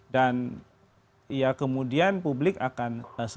dan ya kemudian publik akan selalu menangani